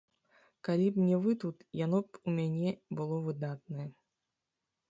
Калі б не вы тут, яно б у мяне было выдатнае.